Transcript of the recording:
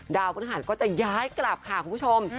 ดาวพระอาหารก็จะย้ายกลับค่ะคุณผู้ชม